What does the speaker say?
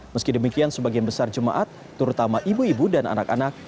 meski demikian sebagian besar jemaat terutama ibu ibu dan anak anak